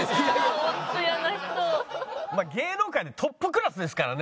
芸能界でトップクラスですからね。